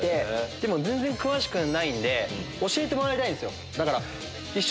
でも全然詳しくないんで教えてもらいたいんすよ。